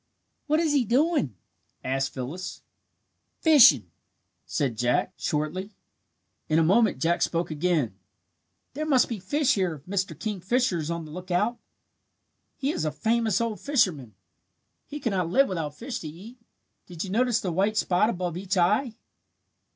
"What is he doing?" asked Phyllis. "Fishing," said Jack, shortly. In a moment Jack spoke again. "There must be fish here if Mr. Kingfisher is on the lookout. He is a famous old fisherman. He could not live without fish to eat. Did you notice the white spot above each eye?"